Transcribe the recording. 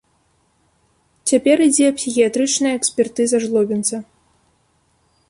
Цяпер ідзе псіхіятрычная экспертыза жлобінца.